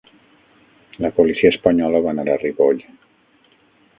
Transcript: La policia espanyola va anar a Ripoll